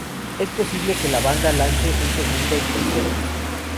Es posible que la banda lance un segundo y un tercer disco.